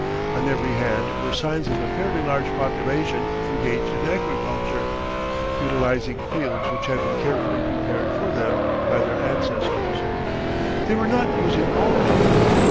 On every hand were signs of a fairly large population engaged in agriculture, utilizing fields which had been carefully prepared for them by their ancestors. They were not using all, however.